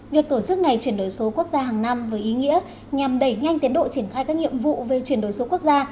việc tổ chức ngày chuyển đổi số quốc gia hàng năm với ý nghĩa nhằm đẩy nhanh tiến độ triển khai các nhiệm vụ về chuyển đổi số quốc gia